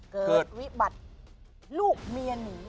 วิบัติลูกเมียหนี